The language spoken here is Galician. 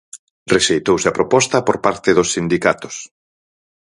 Rexeitouse a proposta por parte dos sindicatos.